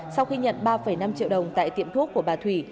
sau khi nhận ba năm triệu đồng tại tiệm thuốc của bà thủy